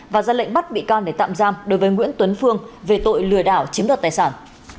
và ra lệnh bắt bị can để tạm giam đối với nguyễn tuấn phương về tội lừa đảo chiếm đoạt tài sản